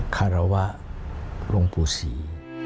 ฆารวะรงค์ภูมิสี